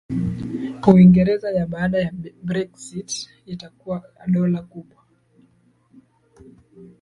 Uingereza ya baada ya Brexit itakuwa dola kubwa